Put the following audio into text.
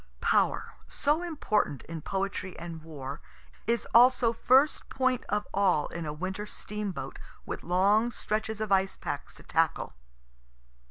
(Power, so important in poetry and war, is also first point of all in a winter steamboat, with long stretches of ice packs to tackle.)